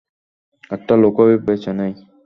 একটা লোকও বেঁচে নেই?